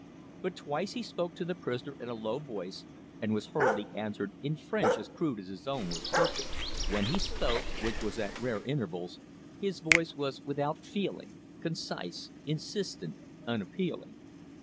But twice he spoke to the prisoner in a low voice, and was hurriedly answered in French as crude as his own was perfect. When he spoke, which was at rare intervals, his voice was without feeling, concise, insistent, unappealing.